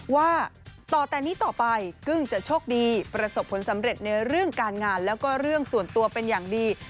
ว่าต่อแต่นี้ต่อไปกึ้งจะโชคดีประสบผลสำเร็จในเรื่องการงานแล้วก็เรื่องส่วนตัวเป็นอย่างดี